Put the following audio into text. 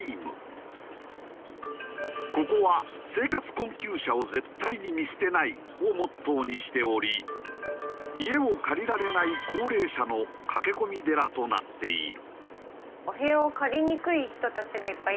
ここは「生活困窮者を絶対に見捨てない」をモットーにしており家を借りられない高齢者の駆け込み寺となっている。